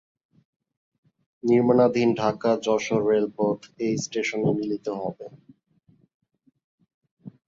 নির্মাণাধীন ঢাকা-যশোর রেলপথ এই স্টেশনে মিলিত হবে।